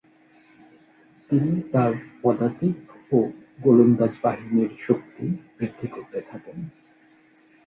তিনি তার পদাতিক ও গোলন্দাজ বাহিনীর শক্তি বৃদ্ধি করতে থাকেন।